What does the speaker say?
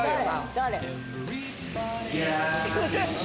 誰？